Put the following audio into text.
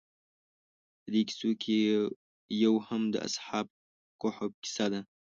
په دې کیسو کې یو هم د اصحاب کهف کیسه ده.